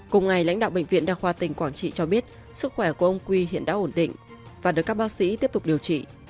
cùng ngày lãnh đạo bệnh viện đa khoa tỉnh quảng trị cho biết sức khỏe của ông quy hiện đã ổn định và được các bác sĩ tiếp tục điều trị